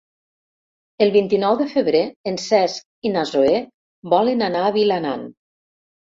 El vint-i-nou de febrer en Cesc i na Zoè volen anar a Vilanant.